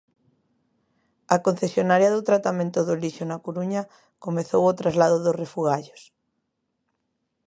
A concesionaria do tratamento do lixo na Coruña comezou o traslado dos refugallos.